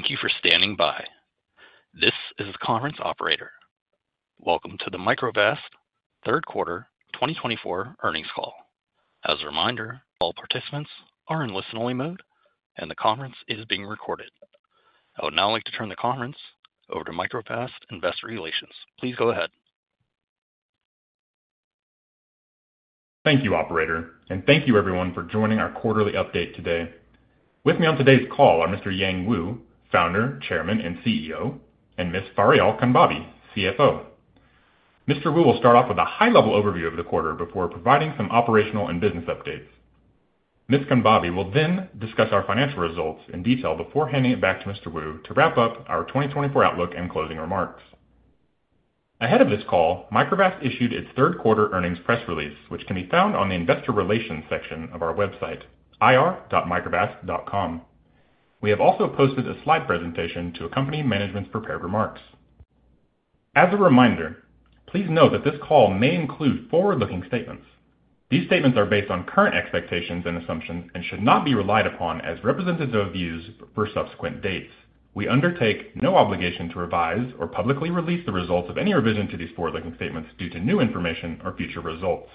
Thank you for standing by. This is the conference operator. Welcome to the Microvast Third Quarter 2024 earnings call. As a reminder, all participants are in listen-only mode, and the conference is being recorded. I would now like to turn the conference over to Microvast Investor Relations. Please go ahead. Thank you, Operator, and thank you, everyone, for joining our quarterly update today. With me on today's call are Mr. Yang Wu, founder, chairman, and CEO, and Ms. Fariyal Khanbabi, CFO. Mr. Wu will start off with a high-level overview of the quarter before providing some operational and business updates. Ms. Khanbabi will then discuss our financial results in detail before handing it back to Mr. Wu to wrap up our 2024 outlook and closing remarks. Ahead of this call, Microvast issued its Third Quarter earnings press release, which can be found on the Investor Relations section of our website, ir.microvast.com. We have also posted a slide presentation to accompany management's prepared remarks. As a reminder, please note that this call may include forward-looking statements. These statements are based on current expectations and assumptions and should not be relied upon as representative views for subsequent dates. We undertake no obligation to revise or publicly release the results of any revision to these forward-looking statements due to new information or future results.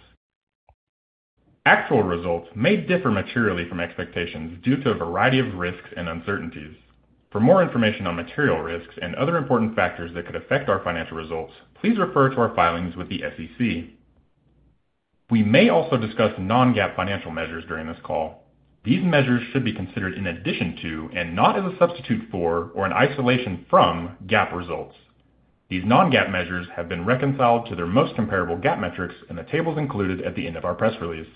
Actual results may differ materially from expectations due to a variety of risks and uncertainties. For more information on material risks and other important factors that could affect our financial results, please refer to our filings with the SEC. We may also discuss non-GAAP financial measures during this call. These measures should be considered in addition to, and not as a substitute for, or in isolation from, GAAP results. These non-GAAP measures have been reconciled to their most comparable GAAP metrics in the tables included at the end of our press release.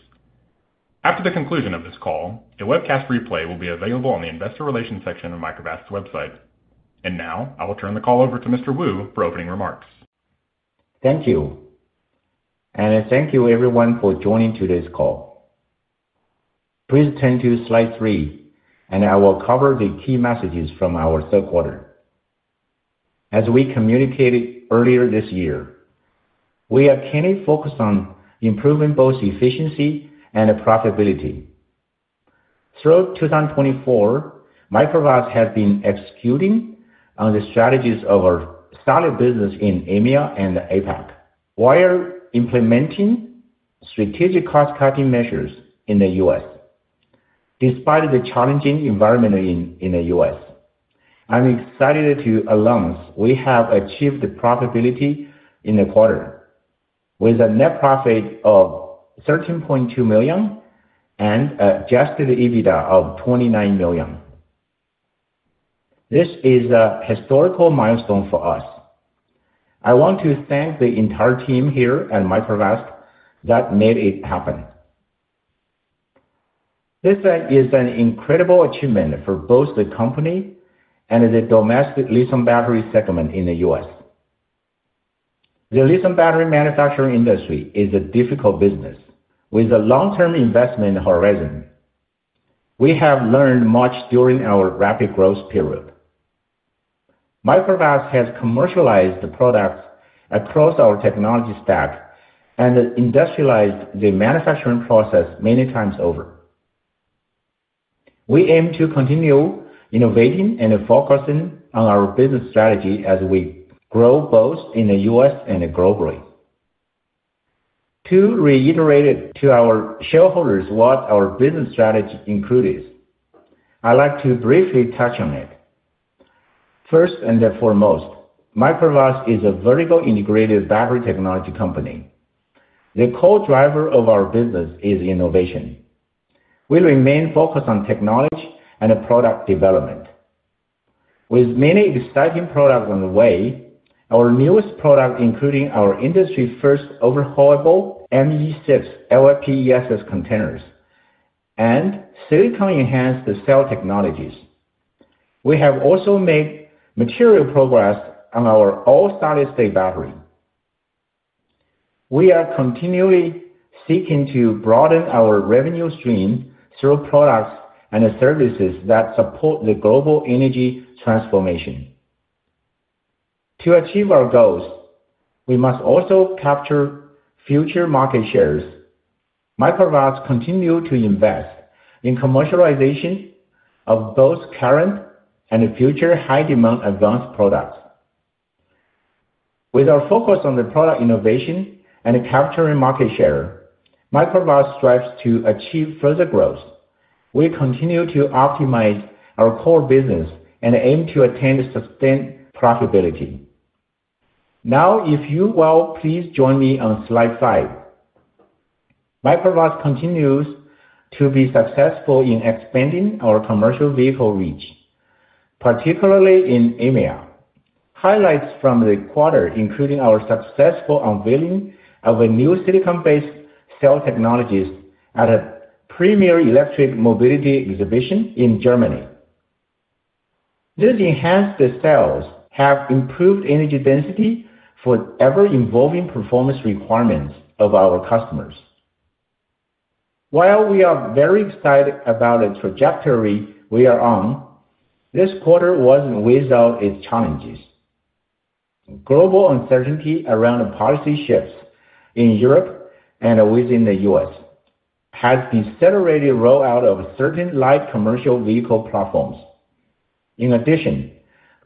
After the conclusion of this call, a webcast replay will be available on the Investor Relations section of Microvast's website. And now, I will turn the call over to Mr. Wu for opening remarks. Thank you. Thank you, everyone, for joining today's call. Please turn to slide three, and I will cover the key messages from our third quarter. As we communicated earlier this year, we are keenly focused on improving both efficiency and profitability. Throughout 2024, Microvast has been executing on the strategies of our solid business in EMEA and APAC while implementing strategic cost-cutting measures in the US, despite the challenging environment in the US. I'm excited to announce we have achieved profitability in the quarter with a net profit of $13.2 million and an adjusted EBITDA of $29 million. This is a historical milestone for us. I want to thank the entire team here at Microvast that made it happen. This is an incredible achievement for both the company and the domestic lithium battery segment in the US. The lithium battery manufacturing industry is a difficult business with a long-term investment horizon. We have learned much during our rapid growth period. Microvast has commercialized the products across our technology stack and industrialized the manufacturing process many times over. We aim to continue innovating and focusing on our business strategy as we grow both in the US and globally. To reiterate to our shareholders what our business strategy includes, I'd like to briefly touch on it. First and foremost, Microvast is a vertical integrated battery technology company. The core driver of our business is innovation. We remain focused on technology and product development. With many exciting products on the way, our newest product, including our industry-first overhaulable ME6 LFP ESS containers and silicon-enhanced cell technologies, we have also made material progress on our all-solid-state battery. We are continually seeking to broaden our revenue stream through products and services that support the global energy transformation. To achieve our goals, we must also capture future market shares. Microvast continues to invest in commercialization of both current and future high-demand advanced products. With our focus on the product innovation and capturing market share, Microvast strives to achieve further growth. We continue to optimize our core business and aim to attain sustained profitability. Now, if you will, please join me on slide five. Microvast continues to be successful in expanding our commercial vehicle reach, particularly in EMEA. Highlights from the quarter include our successful unveiling of a new silicon-based cell technology at a premier electric mobility exhibition in Germany. This enhanced cells have improved energy density for ever-evolving performance requirements of our customers. While we are very excited about the trajectory we are on, this quarter wasn't without its challenges. Global uncertainty around policy shifts in Europe and within the U.S. has accelerated the rollout of certain light commercial vehicle platforms. In addition,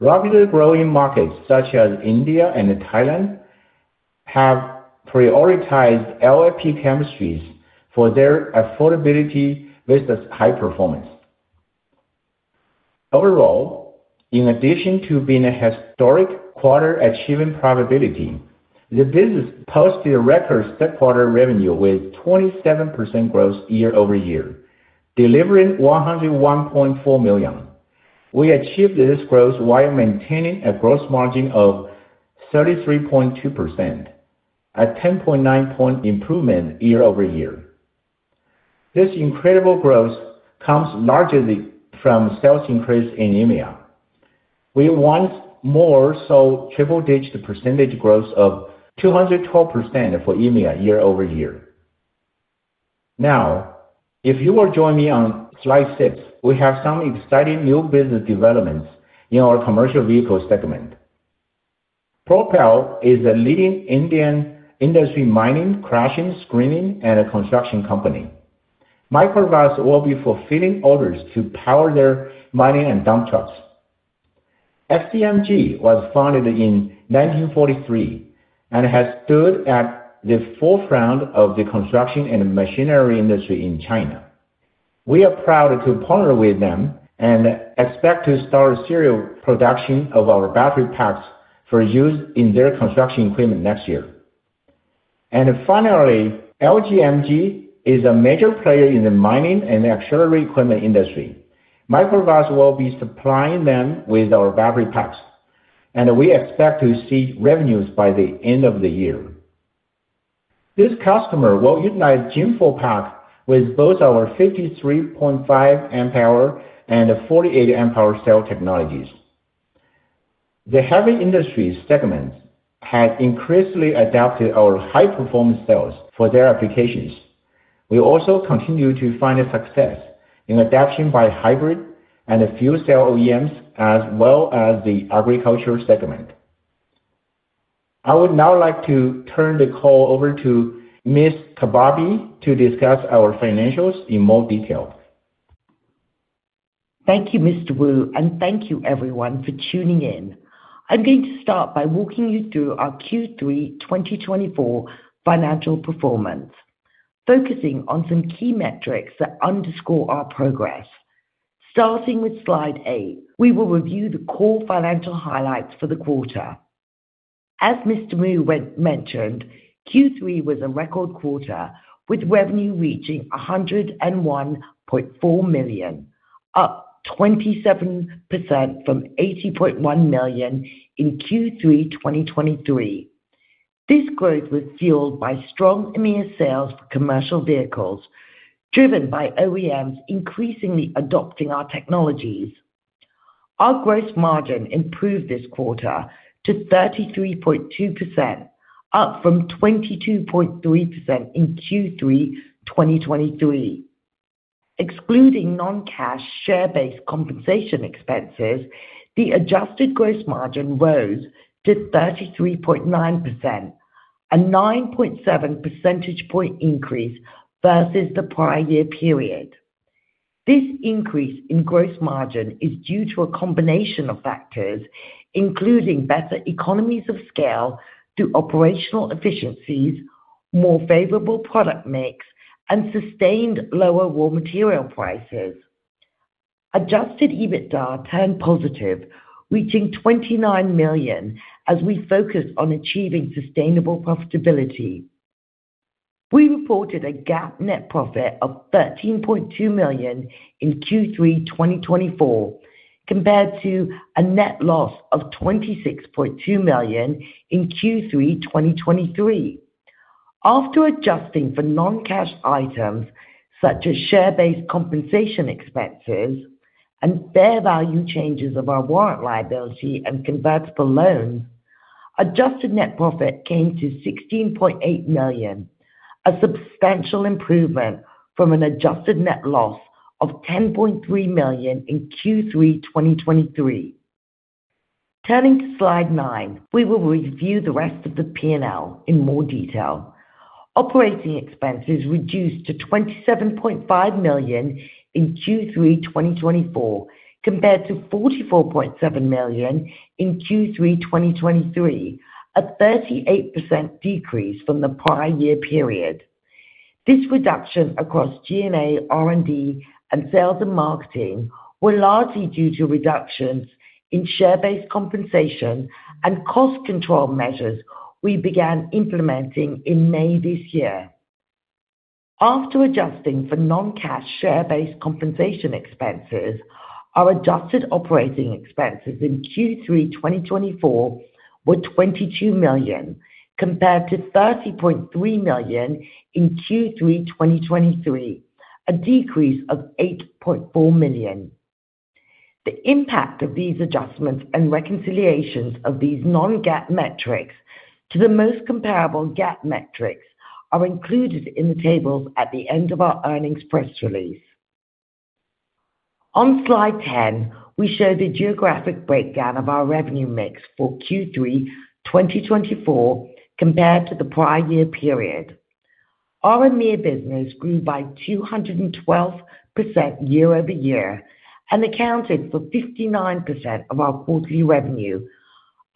rapidly growing markets such as India and Thailand have prioritized LFP chemistries for their affordability versus high performance. Overall, in addition to being a historic quarter achieving profitability, the business posted a record third quarter revenue with 27% growth year-over-year, delivering $101.4 million. We achieved this growth while maintaining a gross margin of 33.2%, a 10.9-point improvement year-over-year. This incredible growth comes largely from sales increase in EMEA. We once more saw triple-digit percentage growth of 212% for EMEA year-over-year. Now, if you will join me on slide six, we have some exciting new business developments in our commercial vehicle segment. Propel is a leading Indian mining, crushing, screening, and construction company. Microvast will be fulfilling orders to power their mining and dump trucks. XCMG was founded in 1943 and has stood at the forefront of the construction and machinery industry in China. We are proud to partner with them and expect to start serial production of our battery packs for use in their construction equipment next year. Finally, LGMG is a major player in the mining and aerial equipment industry. Microvast will be supplying them with our battery packs, and we expect to see revenues by the end of the year. This customer will utilize Gen 4 pack with both our 53.5 amp-hour and 48 amp-hour cell technologies. The heavy industry segment has increasingly adopted our high-performance cells for their applications. We also continue to find success in adoption by hybrid and fuel cell OEMs, as well as the agriculture segment. I would now like to turn the call over to Ms. Khanbabi to discuss our financials in more detail. Thank you, Mr. Wu, and thank you, everyone, for tuning in. I'm going to start by walking you through our Q3 2024 financial performance, focusing on some key metrics that underscore our progress. Starting with slide eight, we will review the core financial highlights for the quarter. As Mr. Wu mentioned, Q3 was a record quarter with revenue reaching $101.4 million, up 27% from $80.1 million in Q3 2023. This growth was fueled by strong EMEA sales for commercial vehicles, driven by OEMs increasingly adopting our technologies. Our gross margin improved this quarter to 33.2%, up from 22.3% in Q3 2023. Excluding non-cash share-based compensation expenses, the adjusted gross margin rose to 33.9%, a 9.7 percentage point increase versus the prior year period. This increase in gross margin is due to a combination of factors, including better economies of scale through operational efficiencies, more favorable product mix, and sustained lower raw material prices. Adjusted EBITDA turned positive, reaching $29 million as we focused on achieving sustainable profitability. We reported a GAAP net profit of $13.2 million in Q3 2024, compared to a net loss of $26.2 million in Q3 2023. After adjusting for non-cash items such as share-based compensation expenses and fair value changes of our warrant liability and convertible loans, adjusted net profit came to $16.8 million, a substantial improvement from an adjusted net loss of $10.3 million in Q3 2023. Turning to slide nine, we will review the rest of the P&L in more detail. Operating expenses reduced to $27.5 million in Q3 2024, compared to $44.7 million in Q3 2023, a 38% decrease from the prior year period. This reduction across G&A, R&D, and sales and marketing was largely due to reductions in share-based compensation and cost control measures we began implementing in May this year. After adjusting for non-cash share-based compensation expenses, our adjusted operating expenses in Q3 2024 were $22 million, compared to $30.3 million in Q3 2023, a decrease of $8.4 million. The impact of these adjustments and reconciliations of these non-GAAP metrics to the most comparable GAAP metrics are included in the tables at the end of our earnings press release. On slide 10, we show the geographic breakdown of our revenue mix for Q3 2024 compared to the prior year period. Our EMEA business grew by 212% year-over-year and accounted for 59% of our quarterly revenue,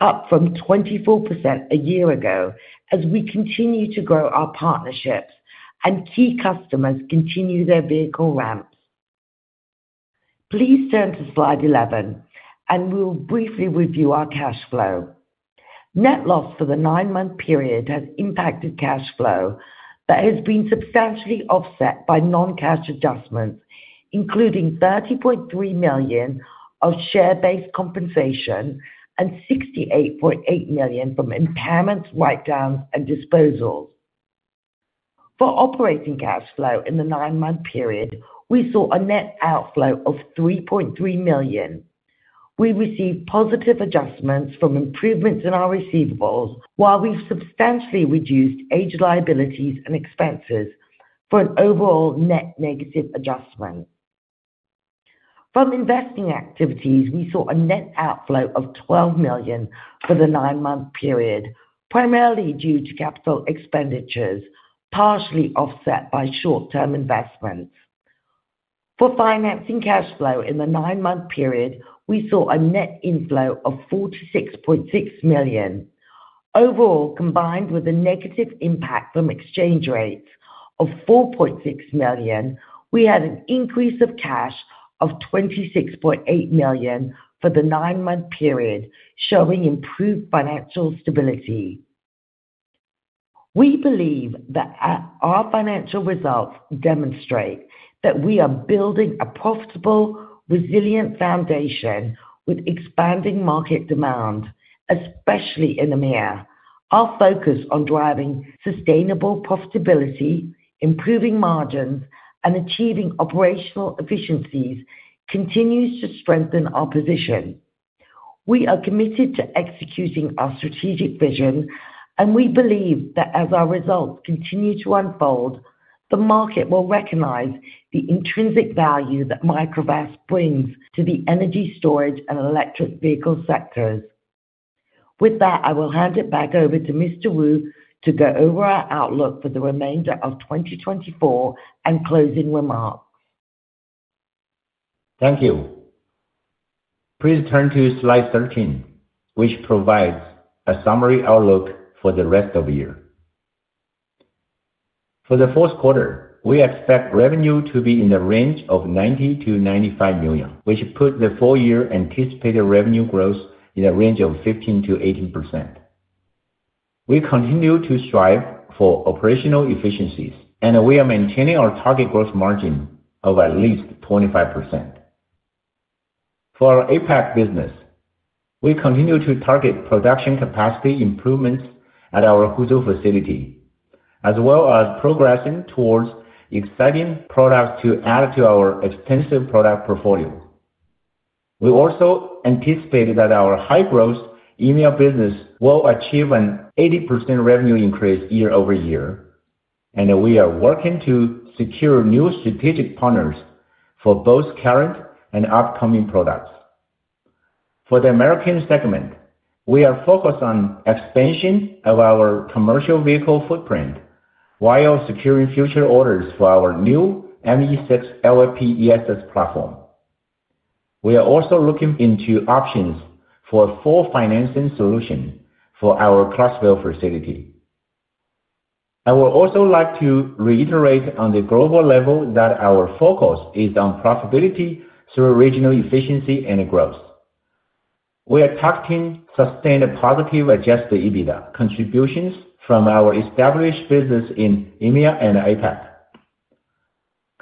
up from 24% a year ago as we continue to grow our partnerships and key customers continue their vehicle ramps. Please turn to slide eleven, and we will briefly review our cash flow. Net loss for the nine-month period has impacted cash flow that has been substantially offset by non-cash adjustments, including $30.3 million of share-based compensation and $68.8 million from impairments, write-downs, and disposals. For operating cash flow in the nine-month period, we saw a net outflow of $3.3 million. We received positive adjustments from improvements in our receivables, while we've substantially reduced aged liabilities and expenses for an overall net negative adjustment. From investing activities, we saw a net outflow of $12 million for the nine-month period, primarily due to capital expenditures, partially offset by short-term investments. For financing cash flow in the nine-month period, we saw a net inflow of $46.6 million. Overall, combined with a negative impact from exchange rates of $4.6 million, we had an increase of cash of $26.8 million for the nine-month period, showing improved financial stability. We believe that our financial results demonstrate that we are building a profitable, resilient foundation with expanding market demand, especially in EMEA. Our focus on driving sustainable profitability, improving margins, and achieving operational efficiencies continues to strengthen our position. We are committed to executing our strategic vision, and we believe that as our results continue to unfold, the market will recognize the intrinsic value that Microvast brings to the energy storage and electric vehicle sectors. With that, I will hand it back over to Mr. Wu to go over our outlook for the remainder of 2024 and closing remarks. Thank you. Please turn to slide 13, which provides a summary outlook for the rest of the year. For the fourth quarter, we expect revenue to be in the range of $90-$95 million, which puts the four-year anticipated revenue growth in the range of 15%-18%. We continue to strive for operational efficiencies, and we are maintaining our target gross margin of at least 25%. For our APAC business, we continue to target production capacity improvements at our Huzhou facility, as well as progressing towards exciting products to add to our extensive product portfolio. We also anticipate that our high-growth EMEA business will achieve an 80% revenue increase year-over-year, and we are working to secure new strategic partners for both current and upcoming products. For the American segment, we are focused on expansion of our commercial vehicle footprint while securing future orders for our new ME6 LFP ESS platform. We are also looking into options for a full financing solution for our Crossville facility. I would also like to reiterate on the global level that our focus is on profitability through regional efficiency and growth. We are targeting sustained positive Adjusted EBITDA contributions from our established business in EMEA and APAC.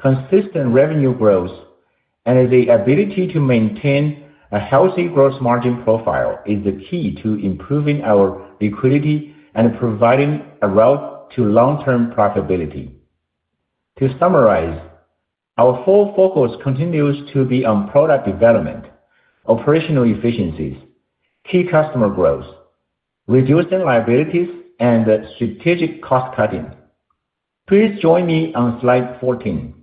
Consistent revenue growth and the ability to maintain a healthy gross margin profile is the key to improving our liquidity and providing a route to long-term profitability. To summarize, our full focus continues to be on product development, operational efficiencies, key customer growth, reducing liabilities, and strategic cost cutting. Please join me on slide 14.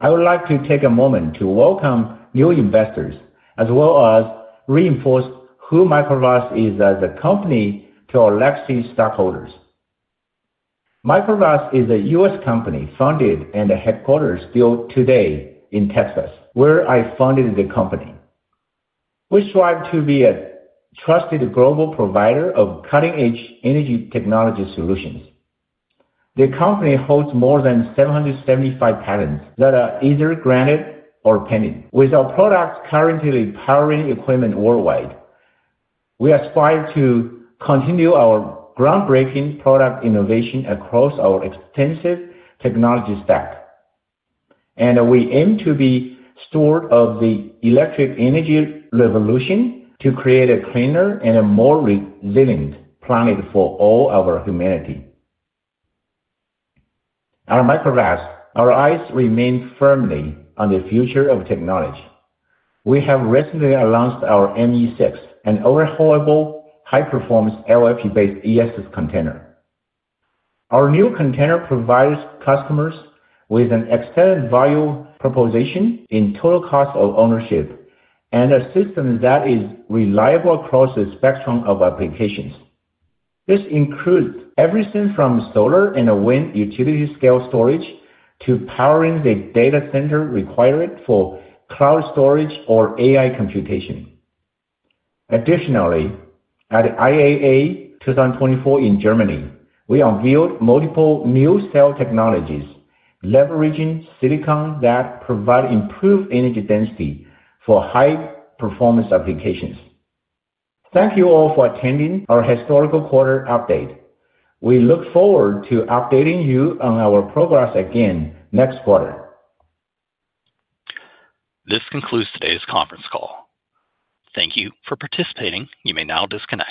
I would like to take a moment to welcome new investors, as well as reinforce who Microvast is as a company to our legacy stockholders. Microvast is a U.S. company founded and headquartered still today in Texas, where I founded the company. We strive to be a trusted global provider of cutting-edge energy technology solutions. The company holds more than 775 patents that are either granted or pending. With our products currently powering equipment worldwide, we aspire to continue our groundbreaking product innovation across our extensive technology stack, and we aim to be stewards of the electric energy revolution to create a cleaner and a more resilient planet for all our humanity. At Microvast, our eyes remain firmly on the future of technology. We have recently announced our ME6, an overhaulable, high-performance LFP-based ESS container. Our new container provides customers with an excellent value proposition in total cost of ownership and a system that is reliable across the spectrum of applications. This includes everything from solar and wind utility-scale storage to powering the data center required for cloud storage or AI computation. Additionally, at IAA 2024 in Germany, we unveiled multiple new cell technologies leveraging silicon that provide improved energy density for high-performance applications. Thank you all for attending our historical quarter update. We look forward to updating you on our progress again next quarter. This concludes today's conference call. Thank you for participating. You may now disconnect.